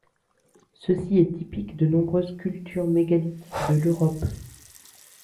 Ceci est typique de nombreuses cultures mégalithiques de l'Europe.